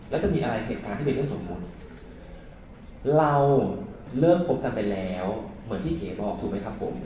แล้วจะมีอะไรเหตุการณ์ที่เป็นเรื่องสมบูรณ์เราเลิกคบกันไปแล้วเหมือนที่เก๋บอกถูกไหมครับผม